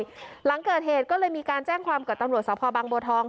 หลังเกิดเหตุก็เลยมีการแจ้งความกับตำรวจสภบางบัวทอง